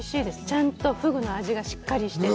ちゃんとフグの味がしっかりしてて。